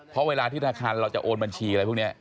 เพราะเวลาที่ธนาคารเราจะโอนบัญชีอะไรพวกนี้